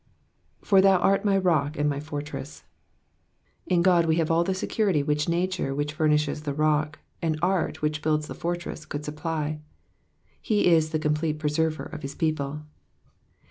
^''For thou art my rock and myfoi* tress,"*^ In God we have all the security which nature which furnishes the rock, and art which builds the fortress, could supply ; he is the complete preserver of his people.